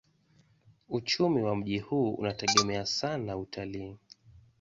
Uchumi wa mji huu unategemea sana utalii.